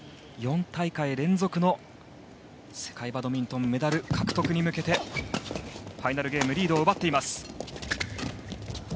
４大会連続の世界バドミントンメダル獲得に向けてファイナルゲームリードを奪っています。